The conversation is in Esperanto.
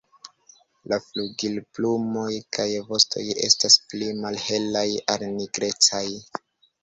La flugilplumoj kaj vostoj estas pli malhelaj al nigrecaj.